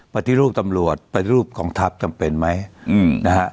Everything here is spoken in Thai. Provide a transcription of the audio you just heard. ปฏิรูปตำรวจปฏิรูปกองทัพจำเป็นไหมนะฮะ